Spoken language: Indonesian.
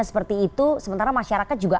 seperti itu sementara masyarakat juga